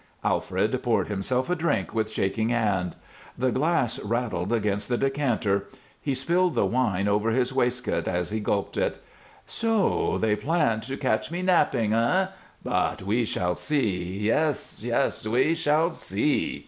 Alfred poured himself a drink with shaking hand. The glass rattled against the decanter; he spilled the wine over his waistcoat as he gulped it. "So they planned to catch me napping, eh? But we shall see. Yes, yes! We shall see."